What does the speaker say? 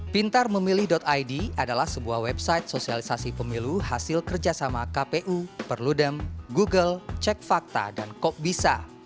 pintarmemilih id adalah sebuah website sosialisasi pemilu hasil kerjasama kpu perludem google cek fakta dan kok bisa